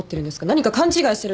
何か勘違いしてるんですか？